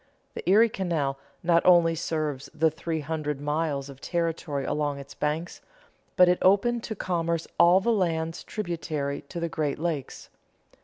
The Erie Canal not only serves the three hundred miles of territory along its banks, but it opened to commerce all the lands tributary to the Great Lakes.